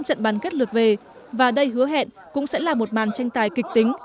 trận bán kết lượt về và đây hứa hẹn cũng sẽ là một màn tranh tài kịch tính